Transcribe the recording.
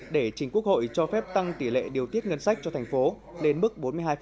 để chính quốc hội cho phép tăng tỷ lệ điều tiết ngân sách cho thành phố đến mức bốn mươi hai